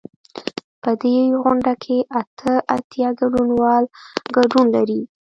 په دې غونډه کې اته اتیا ګډونوال ګډون لري.